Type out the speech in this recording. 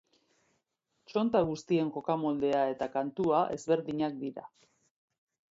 Txonta guztien jokamoldea eta kantua ezberdinak dira.